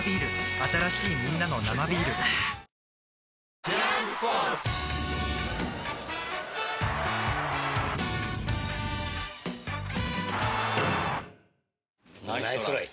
新しいみんなの「生ビール」ナイストライ